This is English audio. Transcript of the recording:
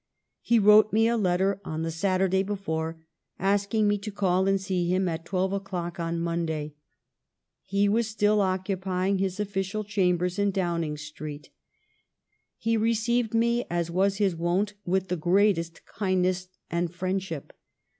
He wrote me a letter on the Saturday before, asking me to call and see him at twelve oclock on Monday. He was still occupying his official chambers in Downing Street. He received me, as was his wont, with the greatest kindness and friendship.